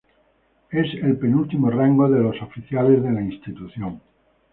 Es el penúltimo rango de los oficiales de la institución.